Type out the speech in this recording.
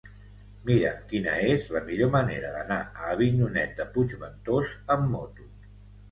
Mira'm quina és la millor manera d'anar a Avinyonet de Puigventós amb moto.